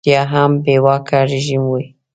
ریشتیا هم بې واکه رژیم وي.